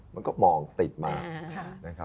มันก็มองติดมา